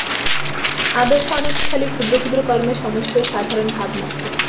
আদর্শ অনেক স্থলেই ক্ষুদ্র ক্ষুদ্র কর্মের সমষ্ঠি ও সাধারণ ভাবমাত্র।